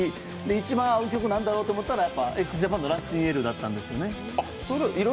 一番合う曲、何だろう？と思ったら、ＸＪＡＰＡＮの「ＲｕｓｔｙＮａｉｌ」だったんですね。